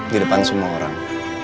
di depan semua orang